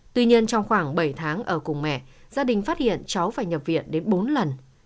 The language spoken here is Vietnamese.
tuy nhiên trong khoảng bảy tháng ở cùng mẹ gia đình phát hiện cháu phải nhập viện đến bốn lần